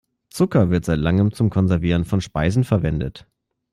Zucker wird seit langem zum Konservieren von Speisen verwendet.